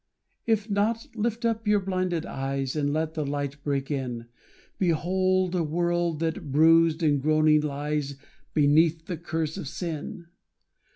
If not, lift up your blinded eyes, And let the light break in; Behold a world that, bruised and groaning, lies Beneath the curse of sin.